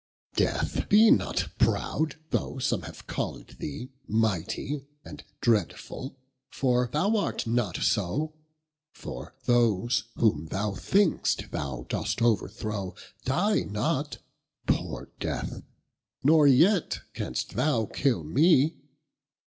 X Death be not proud, though some have called thee Mighty and dreadfull, for, thou art not soe, For, those, whom thou think'st, thou dost overthrow, Die not, poore death, nor yet canst thou kill mee.